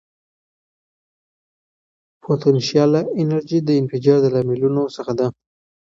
پوتنشیاله انرژي د انفجار د لاملونو څخه ده.